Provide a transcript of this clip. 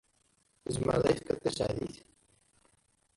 Tzemred ad iyi-d-tefked tasdidt?